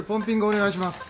お願いします。